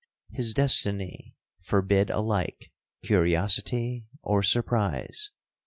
His destiny forbid alike curiosity or surprise.